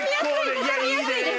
畳みやすいです